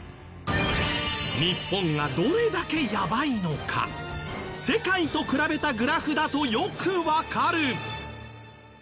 日本がどれだけやばいのか世界と比べたグラフだとよくわかる！